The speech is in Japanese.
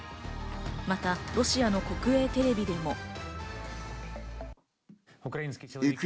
またロシアの国営テレビでも。